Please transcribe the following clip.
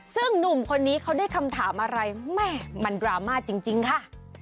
ซึ่งหนุ่มคนนี้เขาได้คำถามอะไรแม่มันดราม่าจริงค่ะ